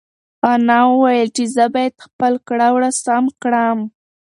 انا وویل چې زه باید خپل کړه وړه سم کړم.